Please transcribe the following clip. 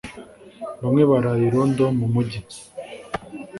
bamwe barara irondo mu mugi,